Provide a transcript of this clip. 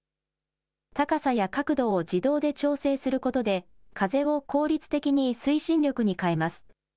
高さや角度を自動で調整することで、風を効率的に推進力に変えます。